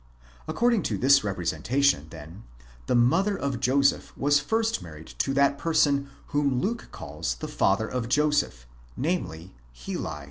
Accord ing to this representation, then, the mother of Joseph was first married to that person whom Luke calls the father of Joseph, namely Heli.